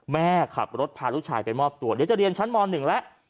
แม่ขับรถพาลูกชายไปมอบตัวเดี๋ยวจะเรียนชั้นม๑แล้ว